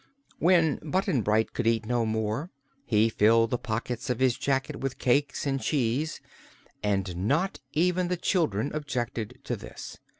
When Button Bright could eat no more he filled the pockets of his jacket with cakes and cheese, and not even the children objected to this.